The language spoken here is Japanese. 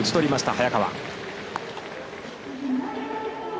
早川。